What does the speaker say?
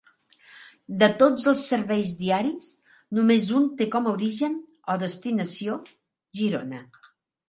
De tots els serveis diaris només un té com a origen o destinació Girona.